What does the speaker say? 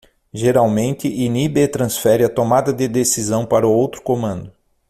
Geralmente inibe e transfere a tomada de decisão para outro comando.